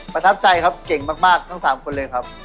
ประทับใจครับเก่งมากทั้ง๓คนเลยครับ